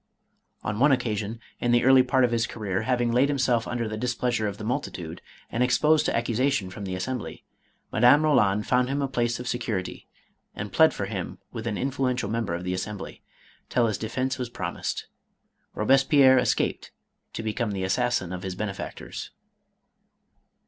On one occasion, in the early part of his career, having laid himself un der the displeasure of the multitude and exposed to accusation from the Assembly, Madame Roland found him a place of security, and plead for him with an in fluential member of the Assembly, till his defence was promised. Robespierre escaped to become the assassin of his benefactors.